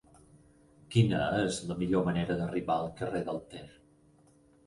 Quina és la millor manera d'arribar al carrer del Ter?